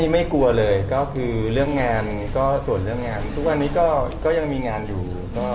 ไม่กลัวเลยก็คือเรื่องงานก็ส่วนเรื่องงานทุกวันนี้ก็ยังมีงานอยู่